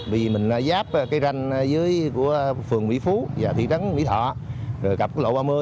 vì mình giáp ranh dưới phường mỹ phú thị trấn mỹ thọ cặp lộ ba mươi